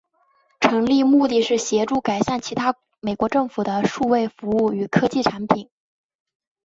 成立目的是协助改善其他美国政府的数位服务与科技产品。